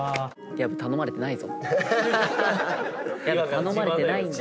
薮頼まれてないんだよ。